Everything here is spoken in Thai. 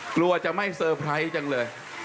กลัวจะไม่เซอร์ไพรส์จังเลย